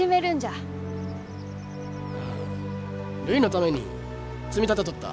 あるいのために積み立てとった金がある。